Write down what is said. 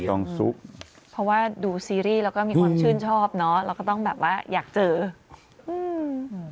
ต้องซุกเพราะว่าดูซีรีส์แล้วก็มีความชื่นชอบเนอะเราก็ต้องแบบว่าอยากเจออืม